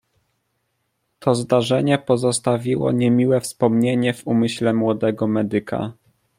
"To zdarzenie pozostawiło niemiłe wspomnienie w umyśle młodego medyka."